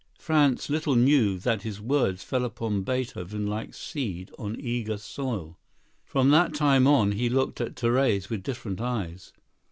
Franz little knew that his words fell upon Beethoven like seed on eager soil. From that time on he looked at Therese with different eyes.